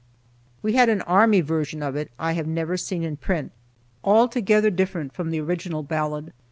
We had an army version of it I have never seen in print, altogether different from the original ballad.